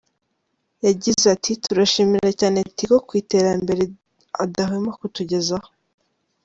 Yagize ati “Turashimira cyane Tigo ku iterambere adahwema kutugezaho.